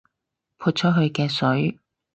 潑出去嘅水